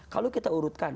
kalau kita urutkan